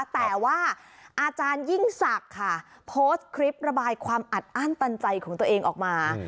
แต่ว่าอาจารยิ่งศักดิ์ค่ะโพสต์คลิประบายความอัดอั้นตันใจของตัวเองออกมา